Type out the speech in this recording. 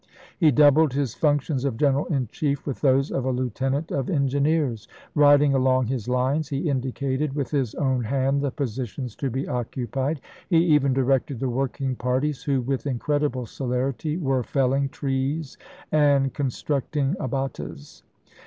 He doubled his functions of general in chief with those of a lieutenant of engineers; riding along his lines, he indicated with his own hand the posi tions to be occupied ; he even directed the working parties, who, with incredible celerity, were felling trees and constructing abatis.